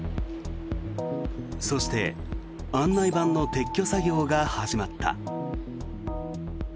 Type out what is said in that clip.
そして案内板の撤去作業が始まった。